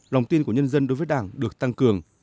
lòng tin của nhân dân đối với đảng được tăng cường